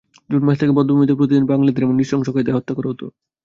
June মাস থেকে বধ্যভূমিতে প্রতিদিন বাঙালিদের এনে নৃশংস কায়দায় হত্যা করা হতো।